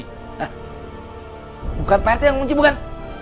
eh bukan prt yang ngunci bukan